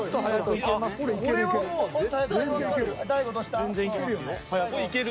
全然いけるよね。